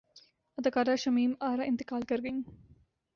اداکارہ شمیم ارا انتقال کرگئیں